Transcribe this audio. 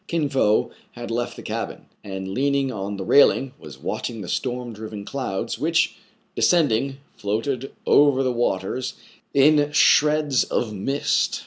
Kin Fo had left the cabin, and, leaning on the railing, was watching the storm driven clouds, which, descending, floated over the waters in shreds of mist.